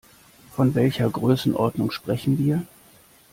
Von welcher Größenordnung sprechen wir?